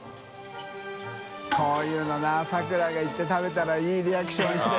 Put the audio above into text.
海ΔいΔ里咲楽が行って食べたらいいリアクションして。